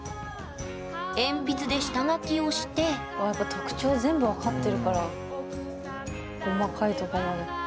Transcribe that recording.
鉛筆で下書きをしてやっぱ特徴全部分かってるから細かいとこまで。